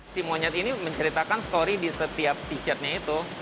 si monyet ini menceritakan story di setiap t shirtnya itu